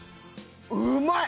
うまいっ！